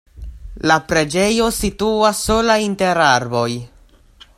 La preĝejo situas sola inter arboj.